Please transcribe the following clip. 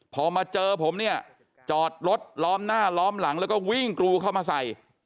พอมาเจอผมเนี่ยจอดรถล้อมหน้าล้อมหลังแล้วก็วิ่งกรูเข้ามาใส่